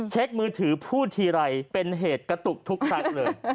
มือถือพูดทีไรเป็นเหตุกระตุกทุกครั้งเลย